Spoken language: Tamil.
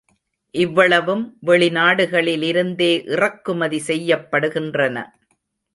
இவ்வளவும் வெளி நாடுகளுலிருந்தே இறக்குமதி செய்யப்படுகின்றன.